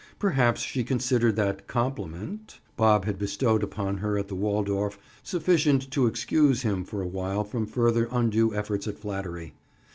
Perhaps she considered that compliment (?) Bob had bestowed upon her at the Waldorf sufficient to excuse him for a while from further undue efforts at flattery.